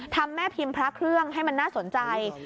ทำแม่พิมพ์พระเครื่องให้มันน่าสนใจ